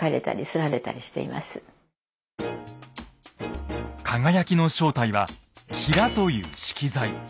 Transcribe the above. それを輝きの正体は「きら」という色材。